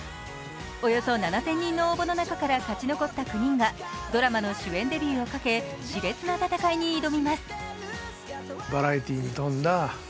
およそ７０００人の応募の中から勝ち残った９人がドラマの主演デビューをかけしれつな戦いに挑みます。